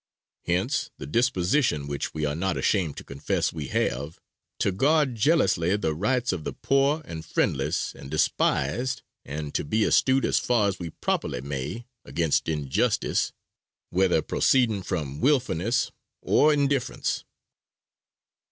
Hence the disposition, which we are not ashamed to confess we have, to guard jealously the rights of the poor and friendless and despised, and to be astute as far as we properly may, against injustice, whether proceeding from wilfulness or indifference."